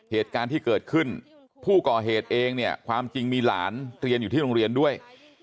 เหตุการณ์ที่เกิดขึ้นผู้ก่อเหตุเองเนี่ยความจริงมีหลานเรียนอยู่ที่โรงเรียนด้วย